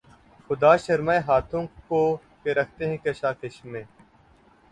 خدا شرمائے ہاتھوں کو کہ رکھتے ہیں کشاکش میں